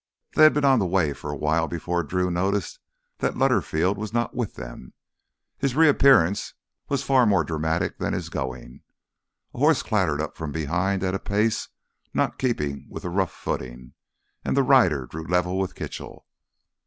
They had been on the way for a while before Drew noticed that Lutterfield was not with them. His reappearance was far more dramatic than his going. A horse clattered up from behind at a pace not in keeping with the rough footing, and the rider drew level with Kitchell.